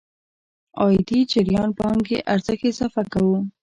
عايدي جريان پانګې ارزښت اضافه کوو.